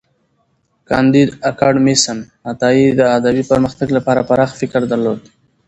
کانديد اکاډميسن عطايي د ادبي پرمختګ لپاره پراخ فکر درلود.